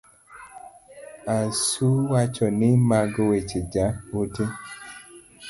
Asu wacho ni mago weche ja ote.